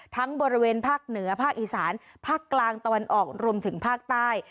บริเวณภาคเหนือภาคอีสานภาคกลางตะวันออกรวมถึงภาคใต้